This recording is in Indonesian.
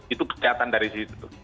itu kecepatan dari situ